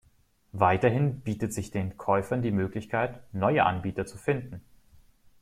Weiterhin bietet sich den Käufern die Möglichkeit, neue Anbieter zu finden.